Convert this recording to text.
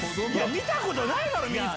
見たことないだろ？